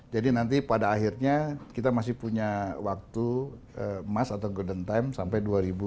jadi nanti pada akhirnya kita masih punya waktu mas atau golden time sampai dua ribu dua puluh tiga